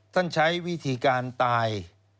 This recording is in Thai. ใช้วิธีการตาย